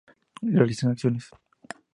Realizan acciones.